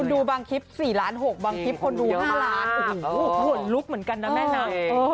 ดูบางคลิป๔ล้าน๖บางคลิปคนดู๕ล้านโอ้โหขนลุกเหมือนกันนะแม่นะ